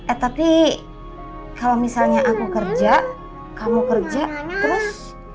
eh tapi kalau misalnya aku kerja kamu kerja terus